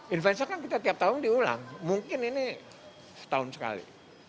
influencer kan kita tiap tahun diulang mungkin ini setahun sekali